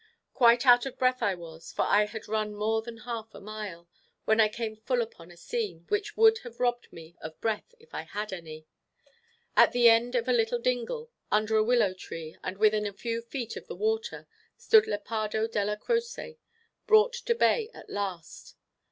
Quite out of breath I was, for I had run more than half a mile, when I came full upon a scene, which would have robbed me of breath if I had any. At the end of a little dingle, under a willow tree, and within a few feet of the water, stood Lepardo Della Croce, brought to bay at last.